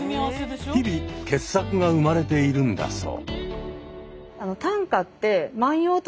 日々傑作が生まれているんだそう。